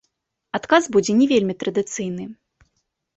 Адказ будзе не вельмі традыцыйны.